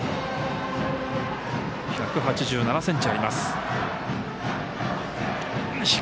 １７８ｃｍあります。